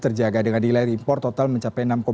terjaga dengan nilai impor total mencapai